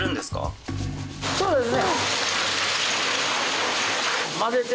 そうですね。